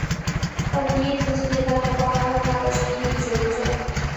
但第一次世界大战爆发让他的生意一蹶不振。